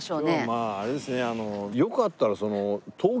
まああれですねあのよかったらその。